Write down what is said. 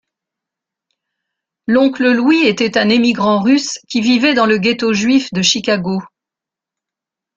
L'oncle Louis était un émigrant russe qui vivait dans le ghetto juif de Chicago.